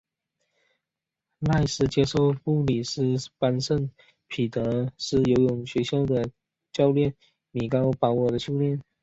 赖斯接受布里斯班圣彼得斯游泳学校的教练米高保尔的训练。